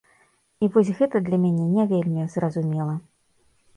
І вось гэта для мяне не вельмі зразумела.